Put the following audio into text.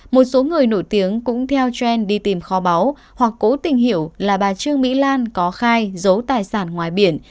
một số người nổi tiếng cũng theo gen đi tìm kho báu hoặc cố tình hiểu là bà trương mỹ lan có khai giấu tài sản ngoài biển